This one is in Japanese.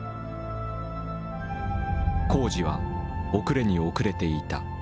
工事は遅れに遅れていた。